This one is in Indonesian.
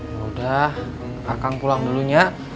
yaudah akang pulang dulunya